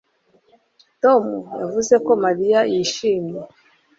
Tom yavuze ko Mariya yishimye